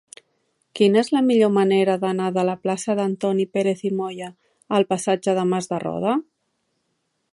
Quina és la millor manera d'anar de la plaça d'Antoni Pérez i Moya al passatge de Mas de Roda?